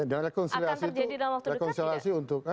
dan rekonsiliasi itu